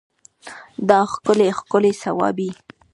دا ښکلي ښکلي د صوابی